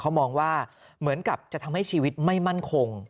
เขามองว่าเหมือนกับจะทำให้ชีวิตไม่มั่นคง